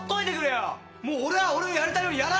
もう俺は俺のやりたいようにやらしてくれよ！